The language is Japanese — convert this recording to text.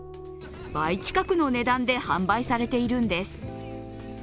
倍近くの値段で販売されているんです。